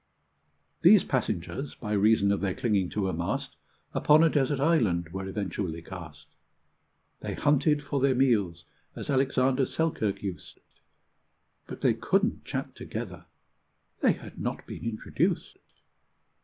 These passengers, by reason of their clinging to a mast, Upon a desert island were eventually cast. They hunted for their meals, as Alexander Selkirk used, But they couldn't chat together they had not been introduced.